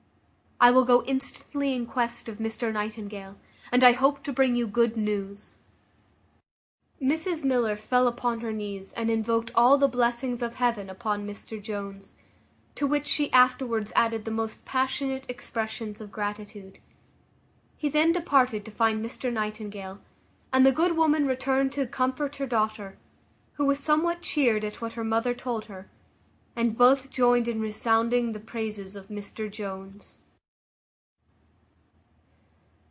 I will go instantly in quest of Mr Nightingale; and I hope to bring you good news." Mrs Miller fell upon her knees and invoked all the blessings of heaven upon Mr Jones; to which she afterwards added the most passionate expressions of gratitude. He then departed to find Mr Nightingale, and the good woman returned to comfort her daughter, who was somewhat cheared at what her mother told her; and both joined in resounding the praises of Mr Jones.